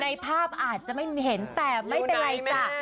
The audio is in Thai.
ในภาพอาจจะไม่เห็นแต่ไม่เป็นไรจ้ะ